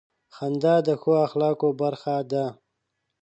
• خندا د ښو اخلاقو برخه ده.